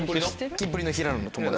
キンプリの平野の友達。